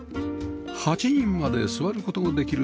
８人まで座る事ができる